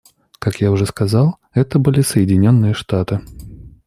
Как я уже сказал, это были Соединенные Штаты.